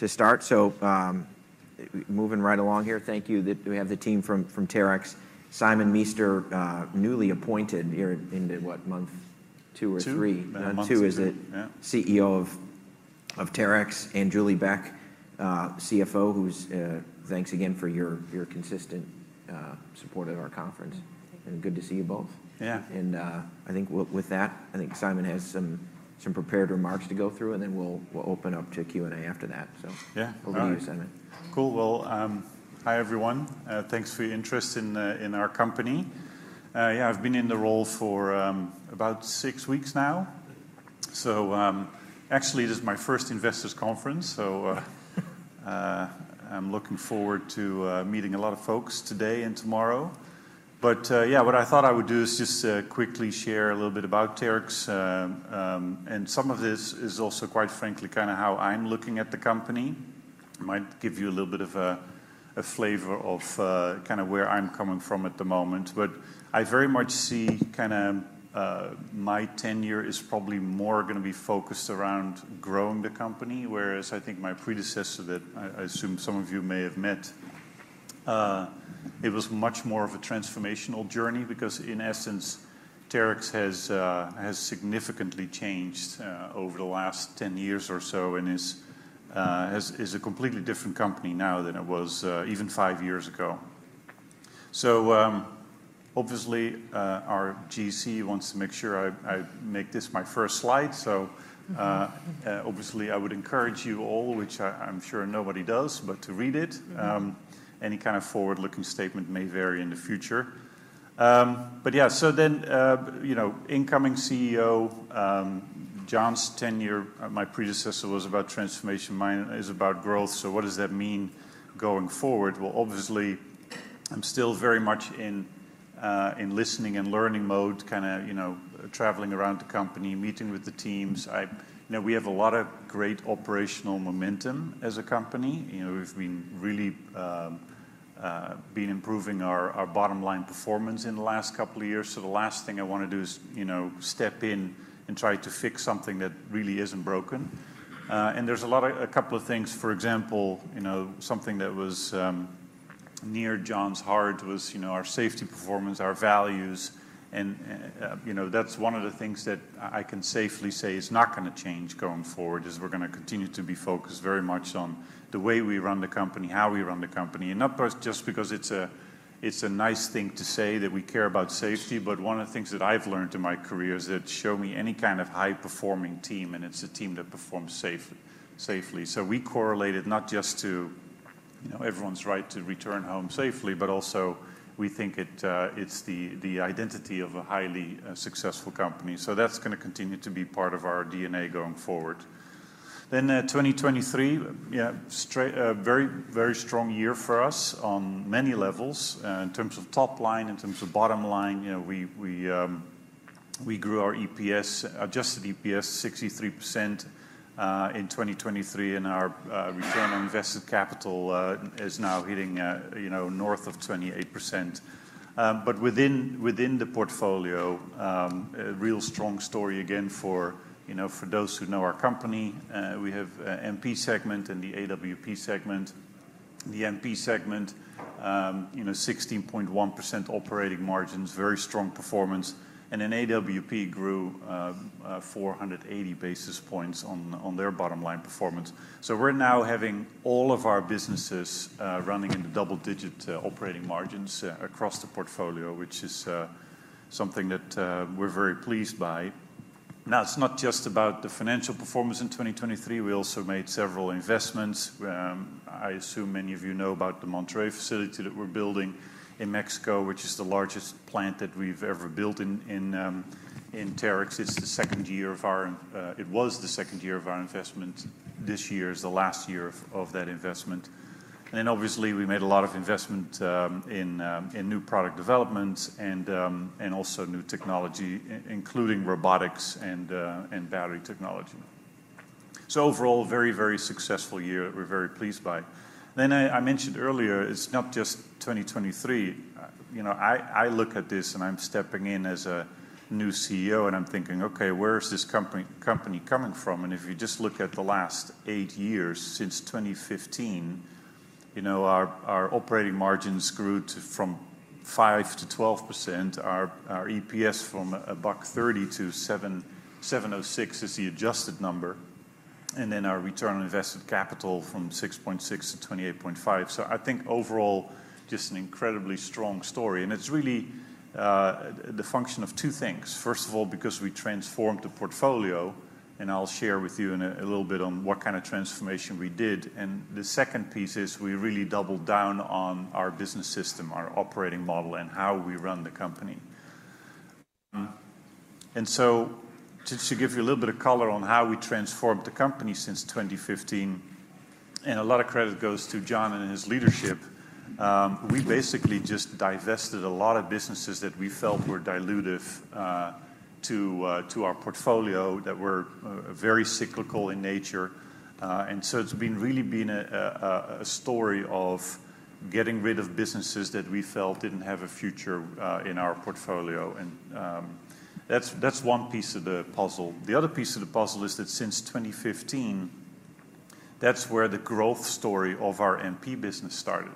To start, moving right along here. Thank you. That we have the team from Terex. Simon Meester, newly appointed, you're into what, month two or three? Two. Month two, is it? Yeah. CEO of Terex, and Julie Beck, CFO, who's—thanks again for your consistent support at our conference. Good to see you both. Yeah. And, I think with that, I think Simon has some prepared remarks to go through, and then we'll open up to Q&A after that. So- Yeah. Over to you, Simon. Cool. Well, hi, everyone. Thanks for your interest in, in our company. Yeah, I've been in the role for, about six weeks now. So, actually, this is my first investors conference, so, I'm looking forward to, meeting a lot of folks today and tomorrow. But, yeah, what I thought I would do is just, quickly share a little bit about Terex. And some of this is also, quite frankly, kinda how I'm looking at the company. It might give you a little bit of a, a flavor of, kinda where I'm coming from at the moment. But I very much see kinda my tenure is probably more gonna be focused around growing the company, whereas I think my predecessor, that I assume some of you may have met, it was much more of a transformational journey. Because in essence, Terex has significantly changed over the last 10 years or so and is a completely different company now than it was even five years ago. So, obviously, our GC wants to make sure I make this my first slide. So, obviously, I would encourage you all, which I'm sure nobody does, but to read it. Mm-hmm. Any kind of forward-looking statement may vary in the future. But yeah, so then, you know, incoming CEO, John's tenure, my predecessor, was about transformation. Mine is about growth. So what does that mean going forward? Well, obviously, I'm still very much in listening and learning mode, kinda, you know, traveling around the company, meeting with the teams. You know, we have a lot of great operational momentum as a company. You know, we've been really improving our bottom-line performance in the last couple of years. So the last thing I want to do is, you know, step in and try to fix something that really isn't broken. And there's a couple of things, for example, you know, something that was near John's heart was, you know, our safety performance, our values, and, you know, that's one of the things that I can safely say is not gonna change going forward, is we're gonna continue to be focused very much on the way we run the company, how we run the company. Not just because it's a nice thing to say that we care about safety, but one of the things that I've learned in my career is that show me any kind of high-performing team, and it's a team that performs safely. So we correlate it not just to, you know, everyone's right to return home safely, but also, we think it's the identity of a highly successful company. So that's gonna continue to be part of our DNA going forward. Then, 2023, yeah, a very, very strong year for us on many levels. In terms of top line, in terms of bottom line, you know, we grew our EPS, adjusted EPS, 63%, in 2023, and our return on invested capital is now hitting, you know, north of 28%. But within the portfolio, a real strong story again for, you know, for those who know our company, we have MP segment and the AWP segment. The MP segment, you know, 16.1% operating margins, very strong performance. And then AWP grew 480 basis points on their bottom line performance. So we're now having all of our businesses running in the double-digit operating margins across the portfolio, which is something that we're very pleased by. Now, it's not just about the financial performance in 2023. We also made several investments. I assume many of you know about the Monterrey facility that we're building in Mexico, which is the largest plant that we've ever built in Terex. It was the second year of our investment. This year is the last year of that investment. And obviously, we made a lot of investment in new product developments and also new technology, including robotics and battery technology. So overall, a very, very successful year, we're very pleased by. I mentioned earlier, it's not just 2023. You know, I look at this, and I'm stepping in as a new CEO, and I'm thinking: Okay, where is this company coming from? And if you just look at the last eight years, since 2015, you know, our operating margins grew from 5%-12%, our EPS from $1.30 to $7.06 is the adjusted number, and then our return on invested capital from 6.6 to 28.5. So I think overall, just an incredibly strong story, and it's really the function of two things. First of all, because we transformed the portfolio, and I'll share with you in a little bit on what kind of transformation we did. The second piece is, we really doubled down on our business system, our operating model, and how we run the company. Just to give you a little bit of color on how we transformed the company since 2015, and a lot of credit goes to John and his leadership, we basically just divested a lot of businesses that we felt were dilutive to our portfolio, that were very cyclical in nature. And so it's really been a story of getting rid of businesses that we felt didn't have a future in our portfolio. That's one piece of the puzzle. The other piece of the puzzle is that since 2015.. That's where the growth story of our MP business started,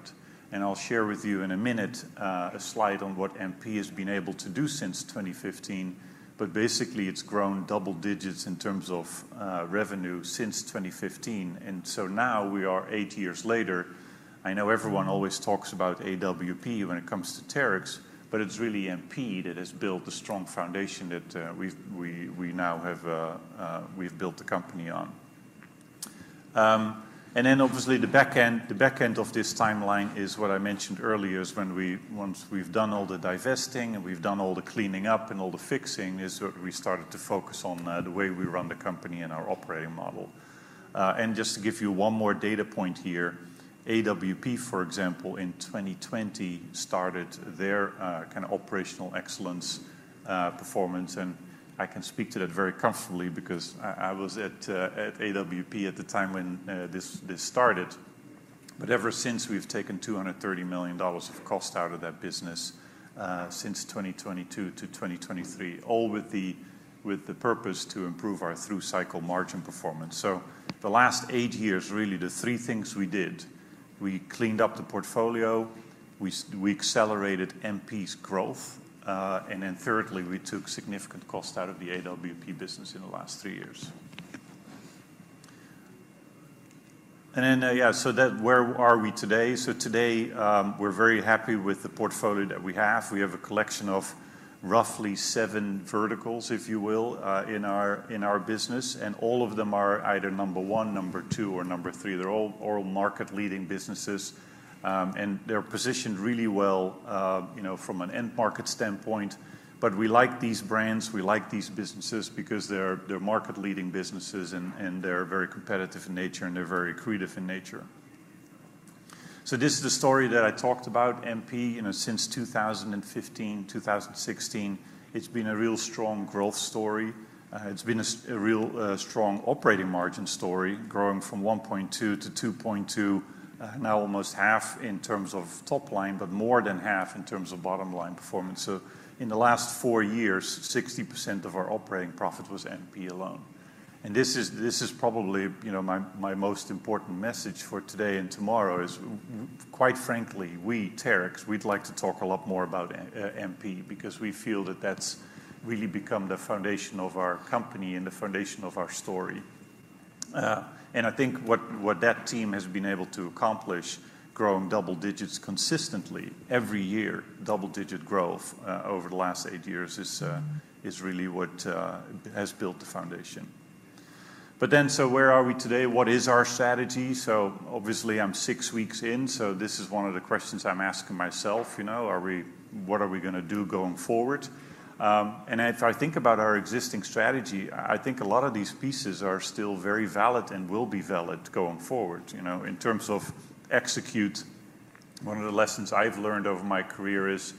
and I'll share with you in a minute a slide on what MP has been able to do since 2015. But basically, it's grown double digits in terms of revenue since 2015, and so now we are eight years later. I know everyone always talks about AWP when it comes to Terex, but it's really MP that has built the strong foundation that we now have, we've built the company on. And then obviously, the back end of this timeline is what I mentioned earlier, is when, once we've done all the divesting, and we've done all the cleaning up, and all the fixing, is where we started to focus on the way we run the company and our operating model. Just to give you one more data point here, AWP, for example, in 2020, started their kind of operational excellence performance. I can speak to that very comfortably because I was at AWP at the time when this started. But ever since, we've taken $230 million of cost out of that business, since 2022 to 2023, all with the purpose to improve our through-cycle margin performance. The last eight years, really, the three things we did: we cleaned up the portfolio, we accelerated MP's growth, and then thirdly, we took significant cost out of the AWP business in the last three years. Then where are we today? Today, we're very happy with the portfolio that we have. We have a collection of roughly seven verticals, if you will, in our, in our business, and all of them are either number one, number two, or number three. They're all all market-leading businesses, and they're positioned really well, you know, from an end market standpoint. But we like these brands, we like these businesses because they're, they're market-leading businesses, and, and they're very competitive in nature, and they're very accretive in nature. So this is the story that I talked about, MP. You know, since 2015, 2016, it's been a real strong growth story. It's been a real, strong operating margin story, growing from 1.2 to 2.2, now almost half in terms of top line, but more than half in terms of bottom-line performance. So in the last four years, 60% of our operating profit was MP alone, and this is, this is probably, you know, my, my most important message for today and tomorrow, is quite frankly, we, Terex, we'd like to talk a lot more about AWP because we feel that that's really become the foundation of our company and the foundation of our story. And I think what, what that team has been able to accomplish, growing double digits consistently every year, double-digit growth, over the last eight years, is, is really what, has built the foundation. But then, so where are we today? What is our strategy? So obviously, I'm six weeks in, so this is one of the questions I'm asking myself. You know, are we, what are we gonna do going forward? And if I think about our existing strategy, I think a lot of these pieces are still very valid and will be valid going forward. You know, in terms of execute, one of the lessons I've learned over my career is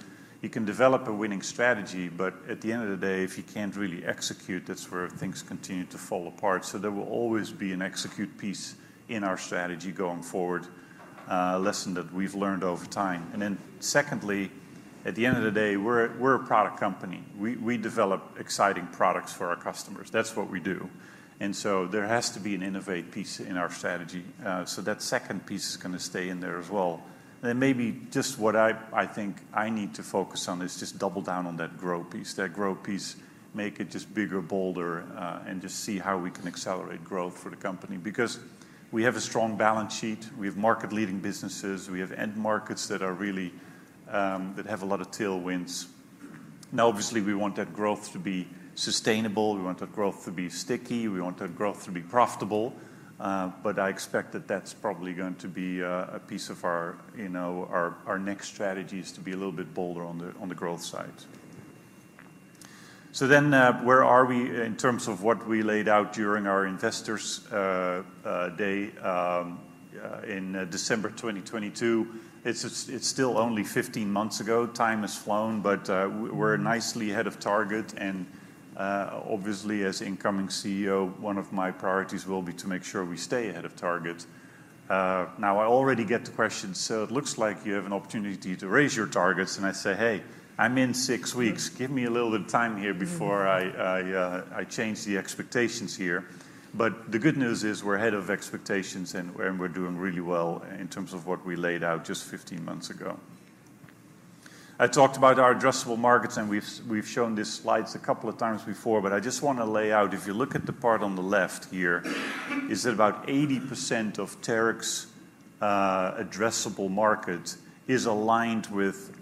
you can develop a winning strategy, but at the end of the day, if you can't really execute, that's where things continue to fall apart. So there will always be an execute piece in our strategy going forward, a lesson that we've learned over time. And then secondly, at the end of the day, we're a product company. We develop exciting products for our customers. That's what we do. And so there has to be an innovate piece in our strategy, so that second piece is gonna stay in there as well. And then maybe just what I think I need to focus on is just double down on that grow piece. That grow piece, make it just bigger, bolder, and just see how we can accelerate growth for the company. Because we have a strong balance sheet, we have market-leading businesses, we have end markets that are really, that have a lot of tailwinds. Now, obviously, we want that growth to be sustainable, we want that growth to be sticky, we want that growth to be profitable, but I expect that that's probably going to be a piece of our, you know, our next strategy is to be a little bit bolder on the, on the growth side. So then, where are we in terms of what we laid out during our Investor Day in December 2022? It's still only 15 months ago. Time has flown, but we're nicely ahead of target, and obviously, as incoming CEO, one of my priorities will be to make sure we stay ahead of target. Now, I already get the question, "So it looks like you have an opportunity to raise your targets," and I say, "Hey, I'm in 6 weeks. Give me a little bit of time here before I change the expectations here." But the good news is we're ahead of expectations, and we're doing really well in terms of what we laid out just 15 months ago. I talked about our addressable markets, and we've shown these slides a couple of times before, but I just want to lay out, if you look at the part on the left here, is that about 80% of Terex's addressable market is aligned with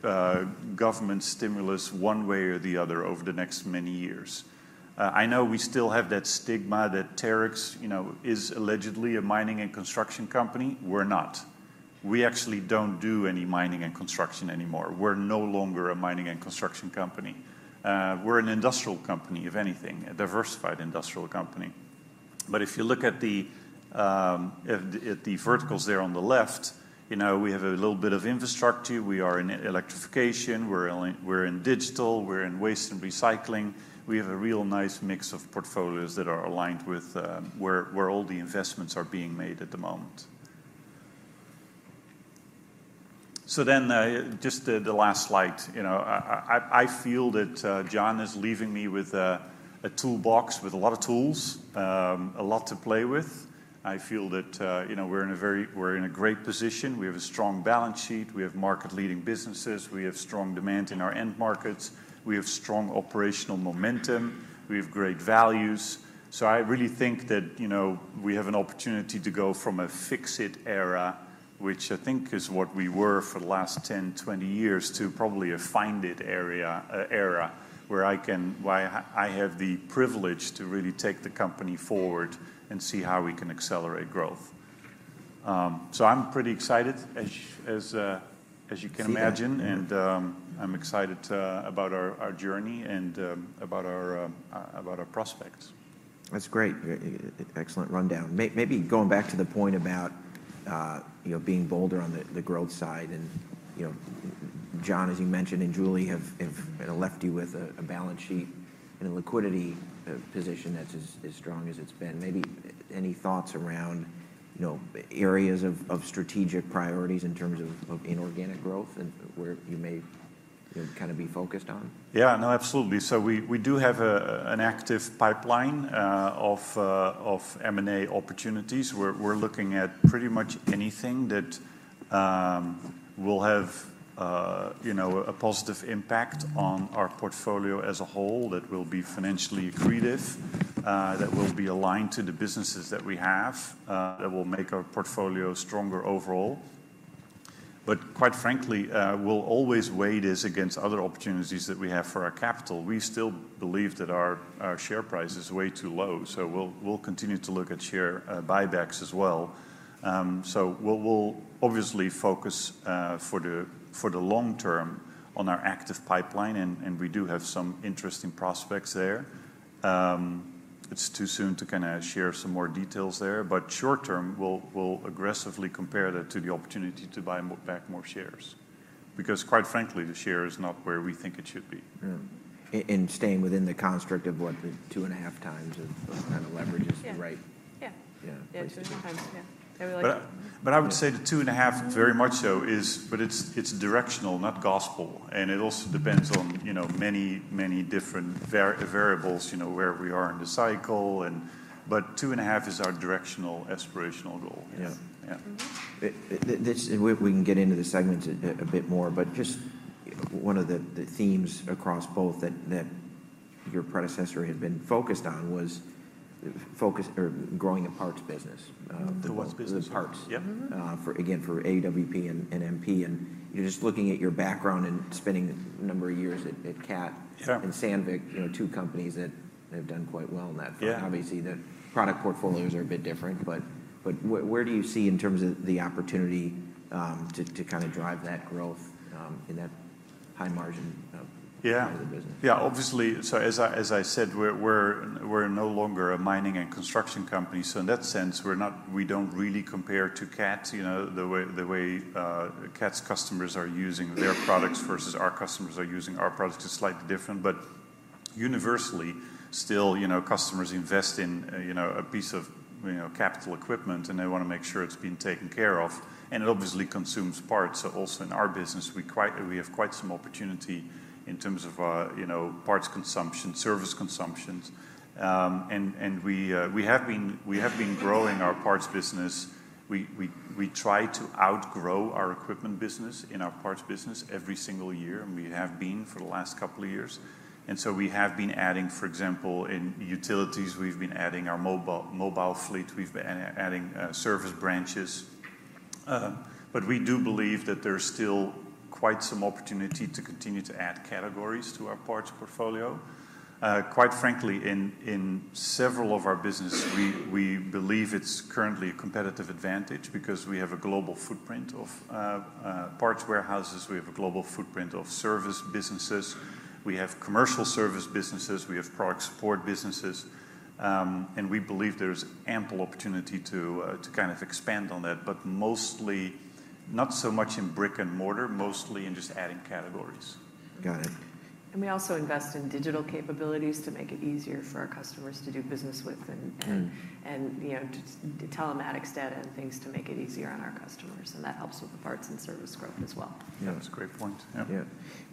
government stimulus one way or the other over the next many years. I know we still have that stigma that Terex, you know, is allegedly a mining and construction company. We're not. We actually don't do any mining and construction anymore. We're no longer a mining and construction company. We're an industrial company, if anything, a diversified industrial company. But if you look at the verticals there on the left, you know, we have a little bit of infrastructure. We are in electrification, we're in, we're in digital, we're in waste and recycling. We have a real nice mix of portfolios that are aligned with where all the investments are being made at the moment. So then, just the last slide, you know, I feel that John is leaving me with a toolbox with a lot of tools, a lot to play with. I feel that, you know, we're in a great position. We have a strong balance sheet. We have market-leading businesses. We have strong demand in our end markets. We have strong operational momentum. We have great values. So I really think that, you know, we have an opportunity to go from a fix-it era, which I think is what we were for the last 10, 20 years, to probably a find-it era, where I have the privilege to really take the company forward and see how we can accelerate growth. So I'm pretty excited, as you can imagine-I'm excited about our journey and about our prospects. That's great. Excellent rundown. Maybe going back to the point about, you know, being bolder on the growth side, and, you know, John, as you mentioned, and Julie have, you know, left you with a balance sheet and a liquidity position that's as strong as it's been. Maybe any thoughts around, you know, areas of strategic priorities in terms of inorganic growth and where you may, you know, kinda be focused on? Yeah, no, absolutely. So we do have an active pipeline of M&A opportunities. We're looking at pretty much anything that will have, you know, a positive impact on our portfolio as a whole, that will be financially accretive, that will be aligned to the businesses that we have, that will make our portfolio stronger overall. But quite frankly, we'll always weigh this against other opportunities that we have for our capital. We still believe that our share price is way too low, so we'll continue to look at share buybacks as well. So we'll obviously focus for the long term on our active pipeline, and we do have some interesting prospects there. It's too soon to kinda share some more details there, but short term, we'll, we'll aggressively compare that to the opportunity to buy back more shares. Because, quite frankly, the share is not where we think it should be. and staying within the construct of, what, the 2.5 times of-kind of leverage is the right- Yeah. Yeah [inaudible] But I would say the 2.5, very much so, is... But it's directional, not gospel, and it also depends on, you know, many, many different variables, you know, where we are in the cycle, and... But 2.5 is our directional, aspirational goal. Yeah. Yeah. This, we can get into the segments a bit more, but just one of the themes across both that your predecessor had been focused on was focusing or growing the parts business. The what business? The parts. Yeah. Again, for AWP and MP, and, you know, just looking at your background and spending a number of years at Cat and Sandvik, you know, two companies that have done quite well in that. Obviously, the product portfolios are a bit different, but, but where, where do you see in terms of the opportunity, to, to kinda drive that growth, in that high margin? Yeah as a business? Yeah, obviously, so as I said, we're no longer a mining and construction company. So in that sense, we're not—we don't really compare to Cat. You know, the way Cat's customers are using their products versus our customers are using our products is slightly different. But universally, still, you know, customers invest in, you know, a piece of, you know, capital equipment, and they wanna make sure it's being taken care of, and it obviously consumes parts. So also in our business, we have quite some opportunity in terms of, you know, parts consumption, service consumptions. And we have been growing our parts business. We try to outgrow our equipment business in our parts business every single year, and we have been for the last couple of years. We have been adding. For example, in utilities, we've been adding our mobile fleet. We've been adding service branches. But we do believe that there's still quite some opportunity to continue to add categories to our parts portfolio. Quite frankly, in several of our business, we believe it's currently a competitive advantage because we have a global footprint of parts warehouses. We have a global footprint of service businesses. We have commercial service businesses. We have product support businesses. And we believe there's ample opportunity to kind of expand on that, but mostly, not so much in brick-and-mortar, mostly in just adding categories. Got it. We also invest in digital capabilities to make it easier for our customers to do business with and, you know, telematics data and things to make it easier on our customers, and that helps with the parts and service growth as well. Yeah, that's a great point. Yeah.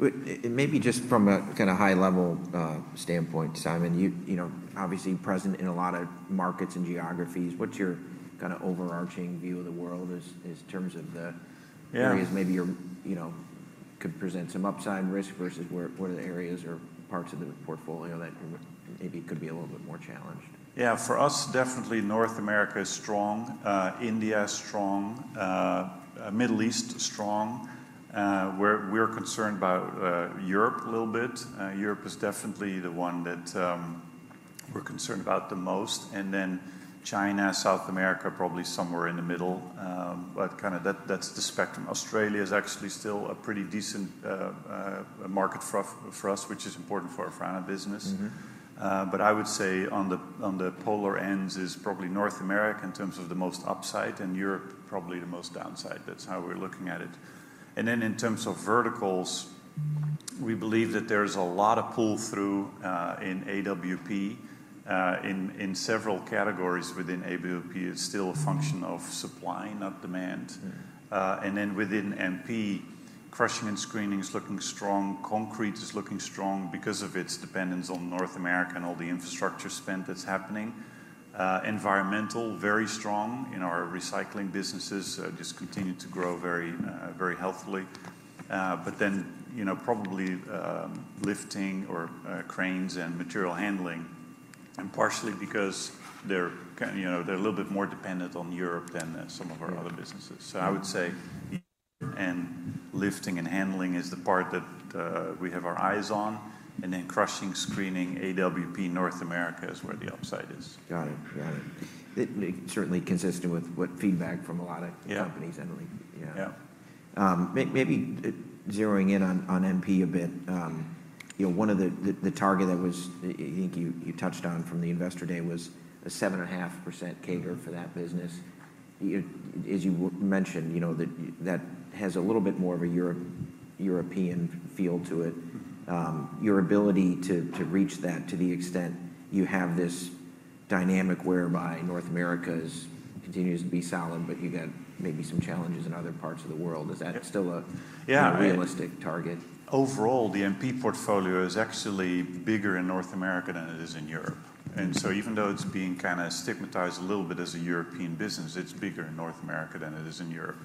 Yeah. Maybe just from a kinda high-level standpoint, Simon, you know, obviously present in a lot of markets and geographies, what's your kinda overarching view of the world as terms of the-areas maybe you're, you know, could present some upside risk versus where, what are the areas or parts of the portfolio that maybe could be a little bit more challenged? Yeah, for us, definitely North America is strong, India is strong, Middle East is strong. We're concerned about Europe a little bit. Europe is definitely the one that we're concerned about the most, and then China, South America, probably somewhere in the middle. But kinda that, that's the spectrum. Australia is actually still a pretty decent market for us, which is important for our Franna business. Mm-hmm. But I would say on the polar ends is probably North America in terms of the most upside, and Europe, probably the most downside. That's how we're looking at it. And then in terms of verticals, we believe that there's a lot of pull-through in AWP. In several categories within AWP, it's still a function of supply, not demand. And then within MP, crushing and screening is looking strong. Concrete is looking strong because of its dependence on North America and all the infrastructure spend that's happening. Environmental, very strong, and our recycling businesses just continue to grow very, very healthily. But then, you know, probably lifting or cranes and material handling, and partially because they're, you know, they're a little bit more dependent on Europe than some of our other businesses. So I would say, and lifting and handling is the part that, we have our eyes on, and then crushing, screening, AWP, North America is where the upside is. Got it. Got it. It, it certainly consistent with what feedback from a lot of companies generally. Yeah. Maybe zeroing in on MP a bit. You know, one of the target that was, I think you touched on from the Investor Day was a 7.5% CAGR for that business. As you mentioned, you know, that has a little bit more of a European feel to it. Your ability to reach that, to the extent you have this dynamic whereby North America continues to be solid, but you got maybe some challenges in other parts of the world, is that still a realistic target? Overall, the MP portfolio is actually bigger in North America than it is in Europe. And so even though it's being kinda stigmatized a little bit as a European business, it's bigger in North America than it is in Europe.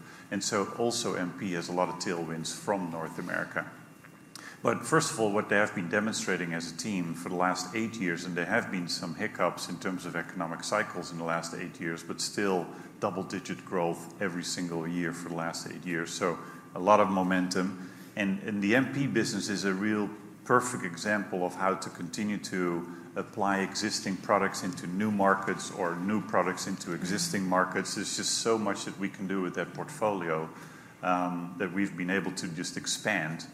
Also, MP has a lot of tailwinds from North America. But first of all, what they have been demonstrating as a team for the last eight years, and there have been some hiccups in terms of economic cycles in the last eight years, but still double-digit growth every single year for the last eight years, so a lot of momentum. And the MP business is a real perfect example of how to continue to apply existing products into new markets or new products into existing markets. There's just so much that we can do with that portfolio, that we've been able to just expand.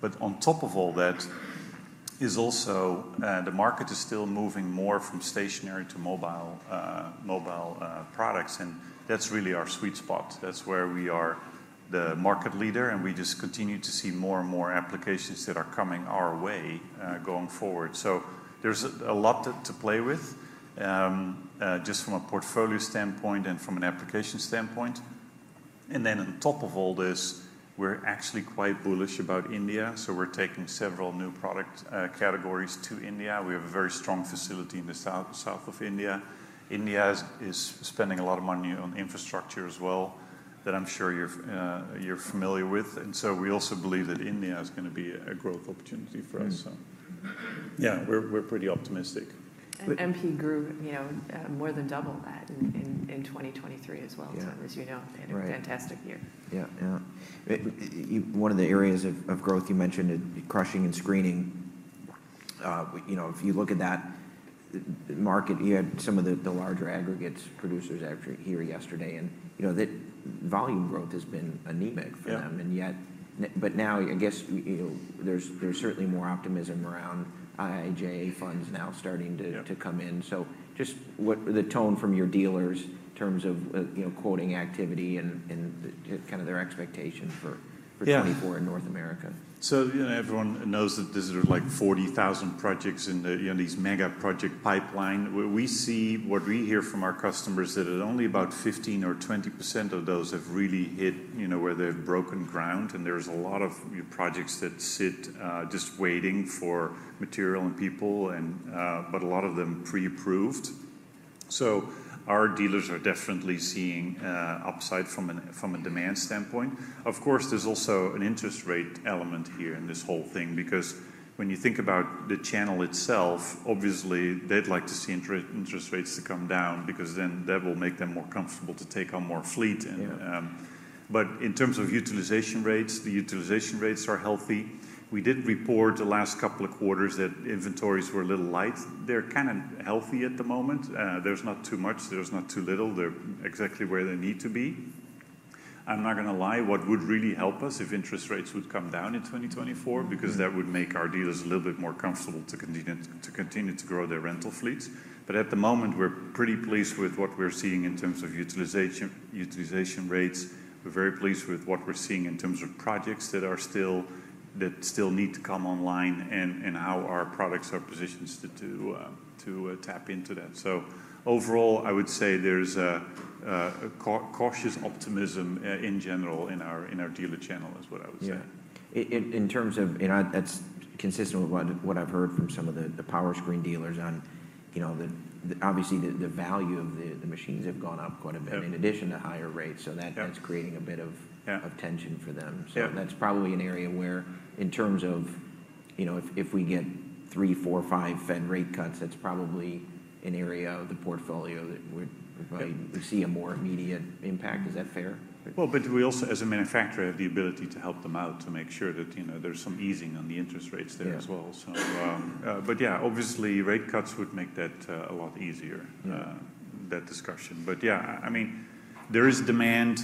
But on top of all that is also the market is still moving more from stationary to mobile products, and that's really our sweet spot. That's where we are the market leader, and we just continue to see more and more applications that are coming our way, going forward. So there's a lot to play with, just from a portfolio standpoint and from an application standpoint. And then on top of all this, we're actually quite bullish about India, so we're taking several new product categories to India. We have a very strong facility in the south of India. India is spending a lot of money on infrastructure as well, that I'm sure you're familiar with. And so we also believe that India is gonna be a growth opportunity for us. So yeah, we're pretty optimistic. MP grew, you know, more than double that in 2023 as well-Tom, as you know. Right. They had a fantastic year. Yeah, yeah. One of the areas of growth you mentioned is crushing and screening. You know, if you look at that market, you had some of the larger aggregates producers actually here yesterday, and, you know, that volume growth has been anemic for them. Yeah. But now, I guess, you know, there's certainly more optimism around IIJA funds now starting to- to come in. So just what the tone from your dealers in terms of, you know, quoting activity and, and kinda their expectation for-for 2024 in North America. So, you know, everyone knows that there are like 40,000 projects in the, in these megaproject pipeline. What we see, what we hear from our customers, that at only about 15%-20% of those have really hit, you know, where they've broken ground, and there's a lot of projects that sit just waiting for material and people and... But a lot of them pre-approved. So our dealers are definitely seeing upside from a, from a demand standpoint. Of course, there's also an interest rate element here in this whole thing, because when you think about the channel itself, obviously, they'd like to see interest rates to come down, because then that will make them more comfortable to take on more fleet. In terms of utilization rates, the utilization rates are healthy. We did report the last couple of quarters that inventories were a little light. They're kind of healthy at the moment. There's not too much, there's not too little. They're exactly where they need to be. I'm not gonna lie, what would really help us if interest rates would come down in 2024. because that would make our dealers a little bit more comfortable to continue to grow their rental fleets. But at the moment, we're pretty pleased with what we're seeing in terms of utilization rates. We're very pleased with what we're seeing in terms of projects that still need to come online and how our products are positioned to tap into that. So overall, I would say there's cautious optimism in general in our dealer channel, is what I would say. Yeah. In terms of... And that's consistent with what I've heard from some of the Powerscreen dealers on, you know, obviously, the value of the machines have gone up quite a bit-in addition to higher rates, so that-that's creating a bit of-of tension for them. Yeah. So that's probably an area where, in terms of, you know, if we get three, four, five Fed rate cuts, that's probably an area of the portfolio that would probably-see a more immediate impact. Is that fair? Well, but we also, as a manufacturer, have the ability to help them out to make sure that, you know, there's some easing on the interest rates there- as well. So, but yeah, obviously, rate cuts would make that a lot easier- Yeah That discussion. But yeah, I mean, there is demand.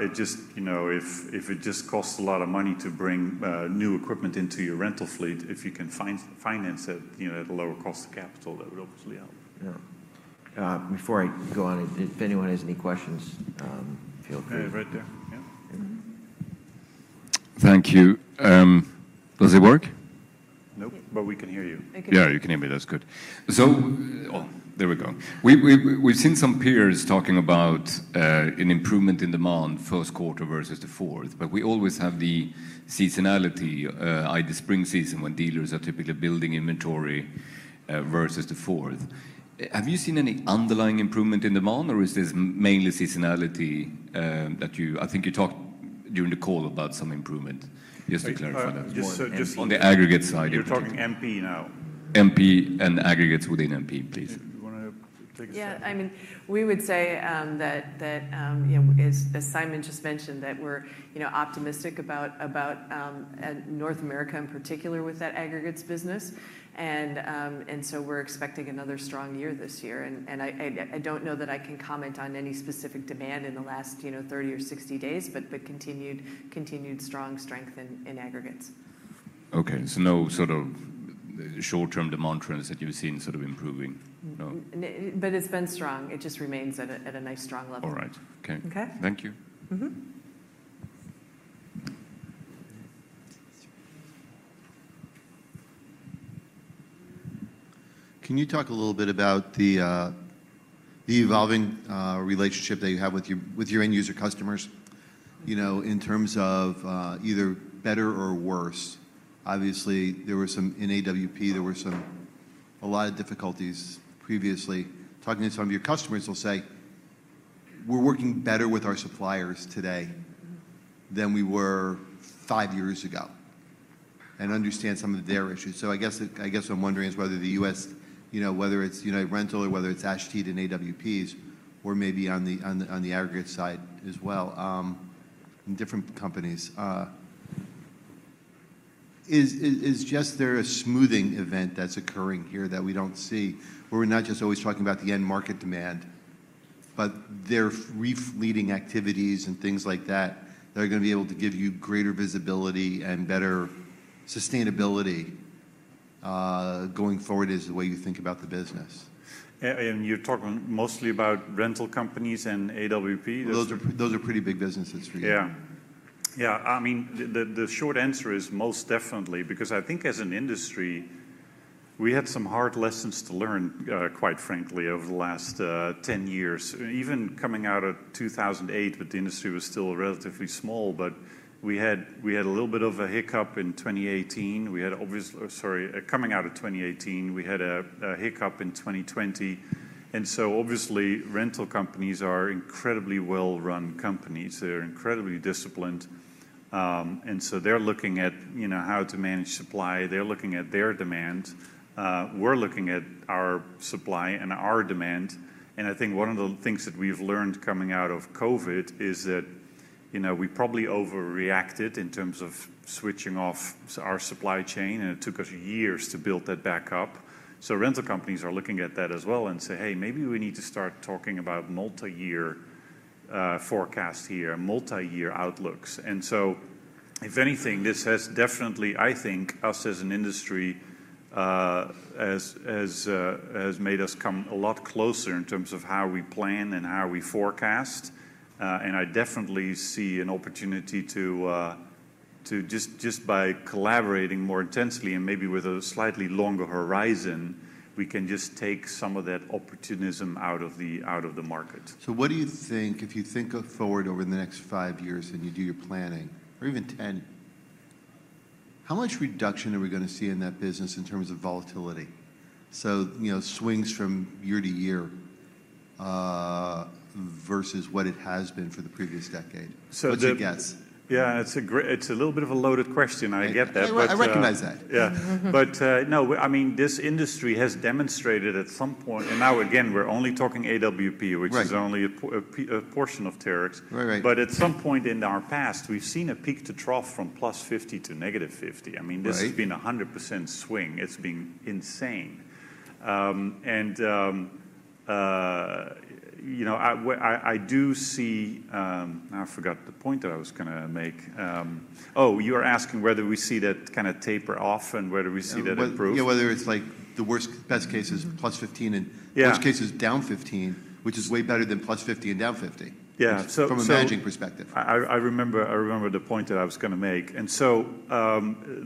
It just, you know, if it just costs a lot of money to bring new equipment into your rental fleet, if you can finance it, you know, at a lower cost of capital, that would obviously help. Yeah, before I go on, if anyone has any questions, feel free. Hey, right there. Yeah. Thank you. Does it work? Nope, but we can hear you. I can. Yeah, you can hear me, that's good. So, oh, there we go. We've seen some peers talking about an improvement in demand first quarter versus the fourth, but we always have the seasonality, i.e., the spring season, when dealers are typically building inventory versus the fourth. Have you seen any underlying improvement in demand, or is this mainly seasonality that you... I think you talked during the call about some improvement, just to clarify that. Just on the aggregate side. You're talking MP now. MP and aggregates within MP, please. You wanna take a stab? Yeah, I mean, we would say that, you know, as Simon just mentioned, that we're, you know, optimistic about North America in particular with that aggregates business. And so we're expecting another strong year this year. And I don't know that I can comment on any specific demand in the last, you know, 30 or 60 days, but the continued strong strength in aggregates. Okay, so no sort of short-term demand trends that you've seen sort of improving? No. but it's been strong. It just remains at a nice, strong level. All right. Okay. Thank you. Mm-hmm. Can you talk a little bit about the evolving relationship that you have with your end user customers? You know, in terms of either better or worse. Obviously, there were some in AWP, a lot of difficulties previously. Talking to some of your customers, they'll say, "We're working better with our suppliers today than we were five years ago," and understand some of their issues. So I guess what I'm wondering is whether the US, you know, whether it's United Rentals or whether it's Ashtead and AWPs, or maybe on the aggregate side as well, in different companies. Is just there a smoothing event that's occurring here that we don't see, where we're not just always talking about the end market demand, but their re-fleeting activities and things like that, that are gonna be able to give you greater visibility and better sustainability, going forward is the way you think about the business? You're talking mostly about rental companies and AWP? Those are, those are pretty big businesses for you. Yeah. Yeah, I mean, the short answer is most definitely, because I think as an industry, we had some hard lessons to learn, quite frankly, over the last 10 years. Even coming out of 2008, but the industry was still relatively small, but we had, we had a little bit of a hiccup in 2018. Coming out of 2018. We had a hiccup in 2020, and so obviously, rental companies are incredibly well-run companies. They're incredibly disciplined, and so they're looking at, you know, how to manage supply. They're looking at their demand. We're looking at our supply and our demand, and I think one of the things that we've learned coming out of COVID is that, you know, we probably overreacted in terms of switching off our supply chain, and it took us years to build that back up. So rental companies are looking at that as well and say, "Hey, maybe we need to start talking about multi-year forecasts here, multi-year outlooks." And so, if anything, this has definitely, I think, us as an industry, has made us come a lot closer in terms of how we plan and how we forecast. And I definitely see an opportunity to just by collaborating more intensely and maybe with a slightly longer horizon, we can just take some of that opportunism out of the market. So what do you think, if you think forward over the next five years and you do your planning, or even 10, how much reduction are we gonna see in that business in terms of volatility? So, you know, swings from year-to-year, versus what it has been for the previous decade. What's your guess? Yeah, it's a great... It's a little bit of a loaded question, I get that. I recognize that. Yeah. No, I mean, this industry has demonstrated at some point, and now again, we're only talking AWP-. which is only a portion of Terex. But at some point in our past, we've seen a peak to trough from +50 to -50. I mean, this has been a 100% swing. It's been insane. You know, I do see... I forgot the point that I was gonna make. Oh, you are asking whether we see that kind of taper off and whether we see that improve? You know, whether it's like the worst, best case is +15 and best case is down 15, which is way better than +50 and -50 from a managing perspective. I remember the point that I was gonna make, and so,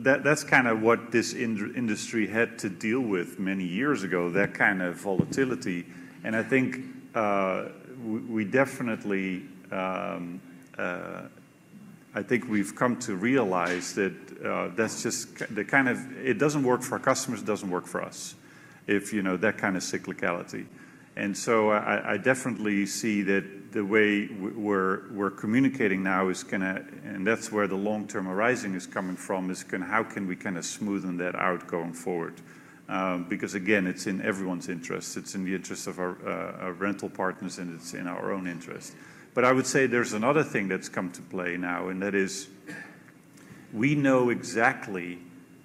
that, that's kind of what this industry had to deal with many years ago, that kind of volatility. And I think we definitely, I think we've come to realize that, that's just the kind of it doesn't work for our customers, it doesn't work for us, if you know, that kind of cyclicality. And so I definitely see that the way we're communicating now is gonna. And that's where the long-term arising is coming from, is kind, how can we kind of smoothen that out going forward? Because again, it's in everyone's interest. It's in the interest of our rental partners, and it's in our own interest. But I would say there's another thing that's come to play now, and that is, we know exactly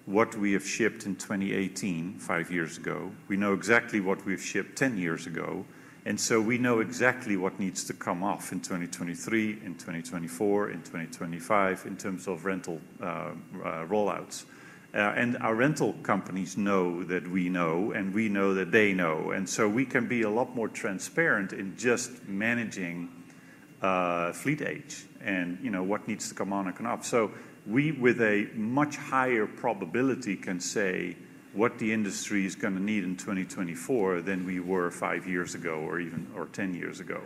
what we have shipped in 2018, five years ago. We know exactly what we've shipped 10 years ago, and so we know exactly what needs to come off in 2023, in 2024, in 2025, in terms of rental rollouts. And our rental companies know that we know, and we know that they know, and so we can be a lot more transparent in just managing fleet age, and, you know, what needs to come on and come off. So we, with a much higher probability, can say what the industry is gonna need in 2024 than we were five years ago or even 10 years ago.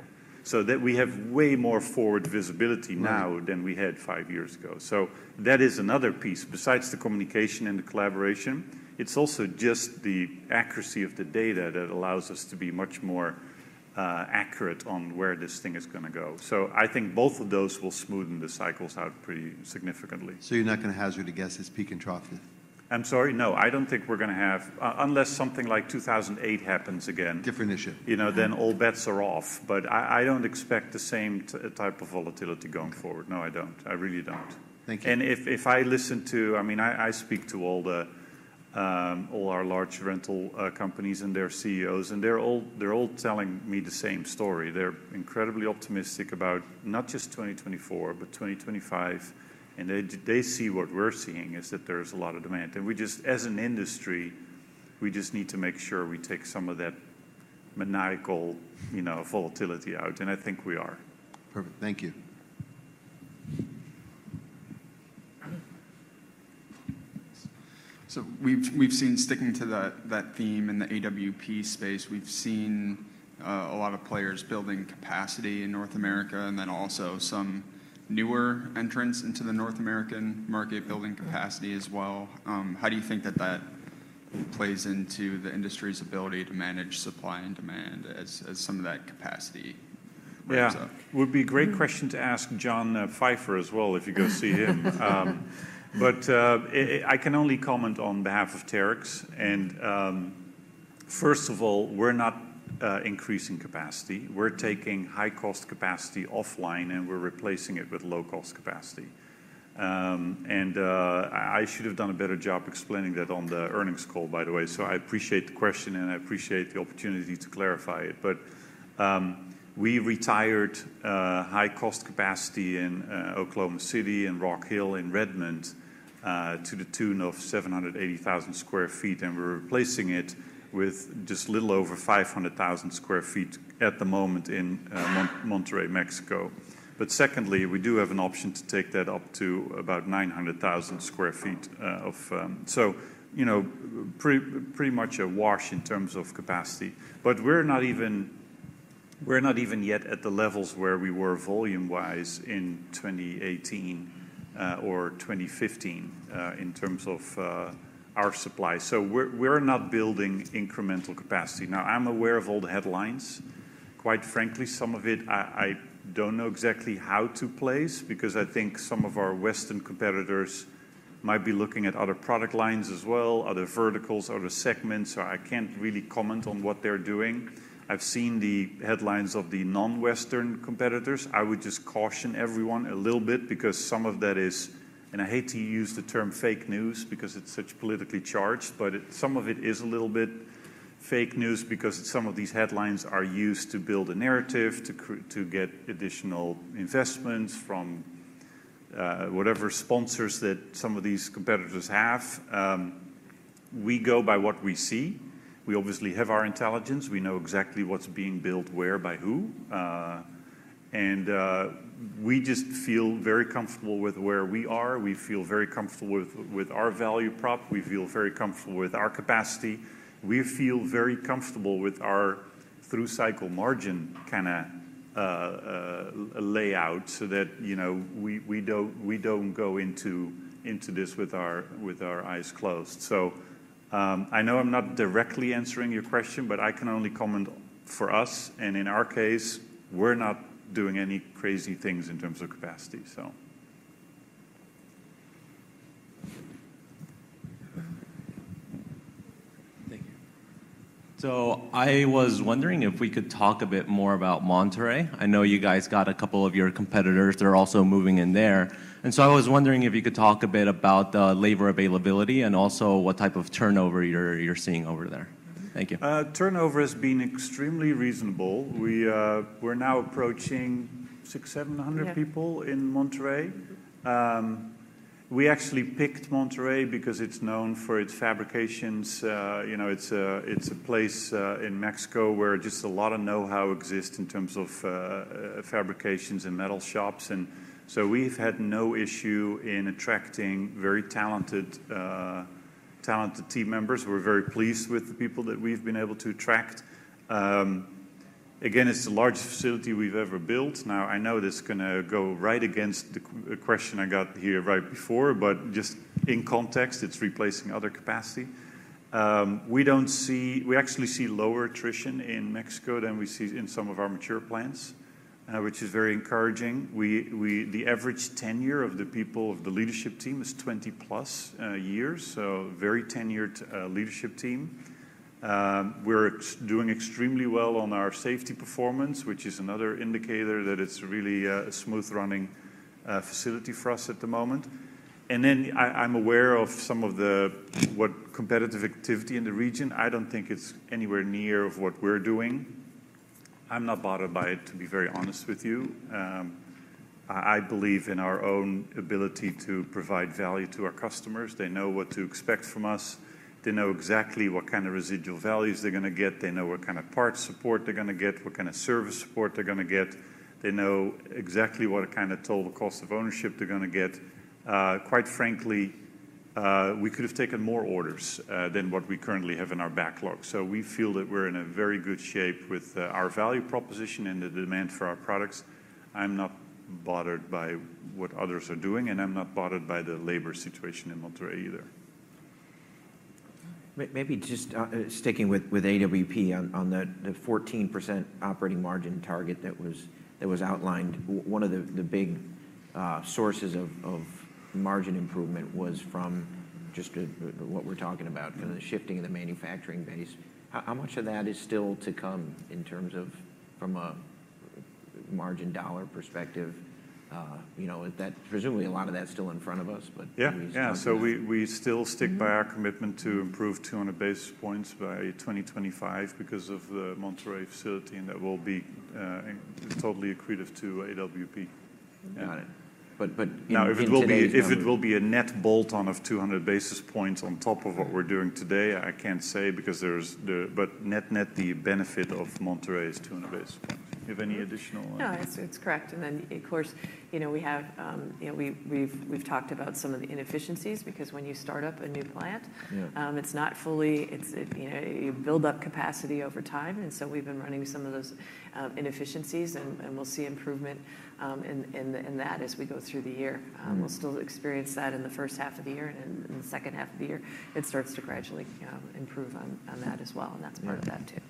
So that we have way more forward visibility now. -than we had five years ago. So that is another piece. Besides the communication and the collaboration, it's also just the accuracy of the data that allows us to be much more accurate on where this thing is gonna go. So I think both of those will smoothen the cycles out pretty significantly. You're not gonna hazard a guess as peak and trough then? I'm sorry. No, I don't think we're gonna have... unless something like 2008 happens again- Different issue. You know, then all bets are off. But I, I don't expect the same type of volatility going forward. No, I don't. I really don't. Thank you. I mean, I speak to all our large rental companies and their CEOs, and they're all, they're all telling me the same story. They're incredibly optimistic about not just 2024, but 2025, and they see what we're seeing, is that there's a lot of demand. And we just, as an industry, we just need to make sure we take some of that maniacal, you know, volatility out, and I think we are. Perfect. Thank you. So we've seen, sticking to that theme in the AWP space, we've seen a lot of players building capacity in North America, and then also some newer entrants into the North American market building capacity as well. How do you think that plays into the industry's ability to manage supply and demand as some of that capacity ramps up? Yeah. Would be a great question to ask John Pfeifer as well, if you go see him. But, I can only comment on behalf of Terex. First of all, we're not increasing capacity. We're taking high-cost capacity offline, and we're replacing it with low-cost capacity. I should have done a better job explaining that on the earnings call, by the way, so I appreciate the question, and I appreciate the opportunity to clarify it. But, we retired high-cost capacity in Oklahoma City and Rock Hill and Redmond to the tune of 780,000 squre feet, and we're replacing it with just a little over 500,000 square feet at the moment in Monterrey, Mexico. But secondly, we do have an option to take that up to about 900,000 square feet. So, you know, pretty much a wash in terms of capacity. But we're not even yet at the levels where we were volume-wise in 2018 or 2015 in terms of our supply. So we're not building incremental capacity. Now, I'm aware of all the headlines. Quite frankly, some of it I don't know exactly how to place, because I think some of our Western competitors might be looking at other product lines as well, other verticals, other segments. So I can't really comment on what they're doing. I've seen the headlines of the non-Western competitors. I would just caution everyone a little bit, because some of that is, and I hate to use the term fake news, because it's such politically charged, but it, some of it is a little bit fake news, because some of these headlines are used to build a narrative, to get additional investments from, whatever sponsors that some of these competitors have. We go by what we see. We obviously have our intelligence. We know exactly what's being built where, by who. And we just feel very comfortable with where we are. We feel very comfortable with our value prop. We feel very comfortable with our capacity. We feel very comfortable with our through-cycle margin kinda layout, so that, you know, we don't go into this with our eyes closed. I know I'm not directly answering your question, but I can only comment for us, and in our case, we're not doing any crazy things in terms of capacity. Thank you. So I was wondering if we could talk a bit more about Monterrey. I know you guys got a couple of your competitors that are also moving in there, and so I was wondering if you could talk a bit about the labor availability and also what type of turnover you're seeing over there. Thank you. Turnover has been extremely reasonable. We, we're now approaching 600-700 people- in Monterrey. We actually picked Monterrey because it's known for its fabrications. You know, it's a place in Mexico where just a lot of know-how exists in terms of fabrications and metal shops, and so we've had no issue in attracting very talented talented team members. We're very pleased with the people that we've been able to attract. Again, it's the largest facility we've ever built. Now, I know this is gonna go right against the question I got here right before, but just in context, it's replacing other capacity. We actually see lower attrition in Mexico than we see in some of our mature plants, which is very encouraging. The average tenure of the people, of the leadership team, is 20+ years, so very tenured leadership team. We're doing extremely well on our safety performance, which is another indicator that it's really a smooth-running facility for us at the moment. I'm aware of some of the competitive activity in the region. I don't think it's anywhere near of what we're doing. I'm not bothered by it, to be very honest with you. I believe in our own ability to provide value to our customers. They know what to expect from us. They know exactly what kind of residual values they're gonna get. They know what kind of parts support they're gonna get, what kind of service support they're gonna get. They know exactly what kind of total cost of ownership they're gonna get. Quite frankly, we could have taken more orders than what we currently have in our backlog. We feel that we're in a very good shape with our value proposition and the demand for our products. I'm not bothered by what others are doing, and I'm not bothered by the labor situation in Monterrey either. Maybe just sticking with AWP on the 14% operating margin target that was outlined, one of the big sources of margin improvement was from just what we're talking about-kind of the shifting of the manufacturing base. How much of that is still to come in terms of from a margin dollar perspective? You know, that—presumably, a lot of that's still in front of us, but- Yeah. Yeah, so we still... stick by our commitment to improve 200 basis points by 2025 because of the Monterrey facility, and that will be totally accretive to AWP. Now, if it will be a net bolt-on of 200 basis points on top of what we're doing today, I can't say, because there's the, but net-net, the benefit of Monterrey is 200 basis points. You have any additional? No, it's correct. And then, of course, you know, we have you know, we've talked about some of the inefficiencies, because when you start up a new plant, it's not fully, it's, you know, you build up capacity over time, and so we've been running some of those inefficiencies, and we'll see improvement in that as we go through the year. We'll still experience that in the first half of the year, and in the second half of the year, it starts to gradually improve on, on that as well, and that's part of that, too.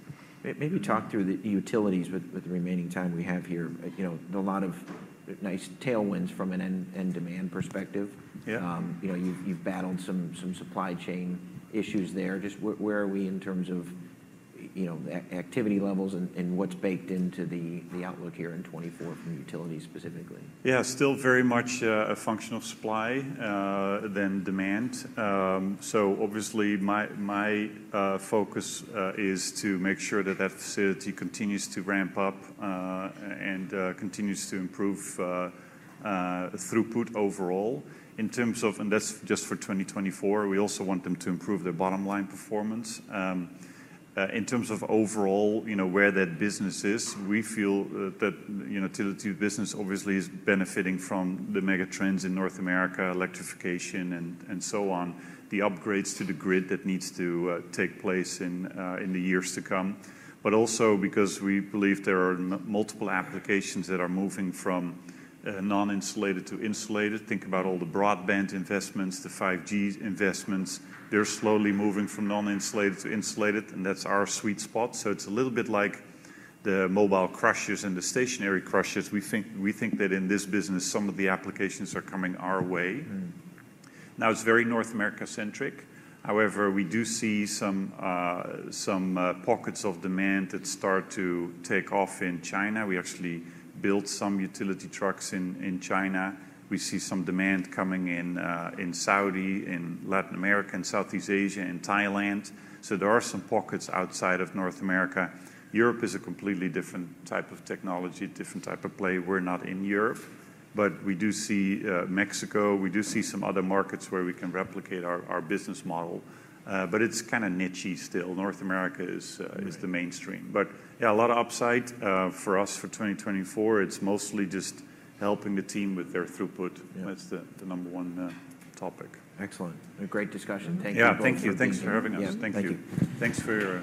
Maybe talk through the utilities with the remaining time we have here. You know, a lot of nice tailwinds from an end demand perspective. You know, you've battled some supply chain issues there. Just where are we in terms of, you know, activity levels and what's baked into the outlook here in 2024 from utilities specifically? Yeah, still very much, a function of supply than demand. So obviously, my focus is to make sure that that facility continues to ramp up, and continues to improve throughput overall. In terms of... That's just for 2024. We also want them to improve their bottom-line performance. In terms of overall, you know, where that business is, we feel that, you know, utility business obviously is benefiting from the mega trends in North America, electrification and so on, the upgrades to the grid that needs to take place in the years to come, but also because we believe there are multiple applications that are moving from non-insulated to insulated. Think about all the broadband investments, the 5G investments. They're slowly moving from non-insulated to insulated, and that's our sweet spot. It's a little bit like the mobile crushers and the stationary crushers. We think, we think that in this business, some of the applications are coming our way. Now, it's very North America-centric. However, we do see some pockets of demand that start to take off in China. We actually built some utility trucks in China. We see some demand coming in in Saudi, in Latin America, and Southeast Asia, and Thailand. So there are some pockets outside of North America. Europe is a completely different type of technology, different type of play. We're not in Europe, but we do see Mexico, we do see some other markets where we can replicate our business model. But it's kind of niche-y still. North America is the mainstream. But yeah, a lot of upside for us for 2024. It's mostly just helping the team with their throughput. Yeah. That's the number one topic. Excellent. A great discussion. Thank you. Yeah, thank you. Thanks for being here. Thanks for having us. Yeah, thank you. Thank you.